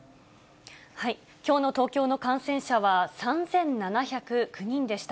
きょうの東京の感染者は３７０９人でした。